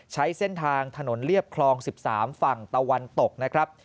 ใช้เส้นทางถนนเรียบคลอง๑๓ฝั่งตะวันตกนะครับ